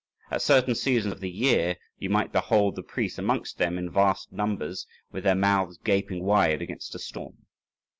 At certain seasons of the year you might behold the priests amongst them in vast numbers with their mouths gaping wide against a storm.